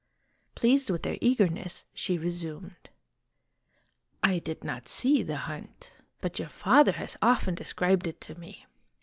' Pleased with their eagerness, she resumed :" I did not see the hunt, but your father has often described it to me.